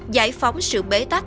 giải phóng sự bế tắc